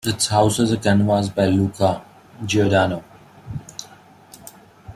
It houses a canvas by Luca Giordano.